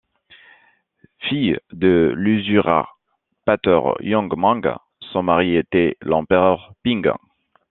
Fille de l'usurpateur Wang Mang, son mari était l'empereur Ping.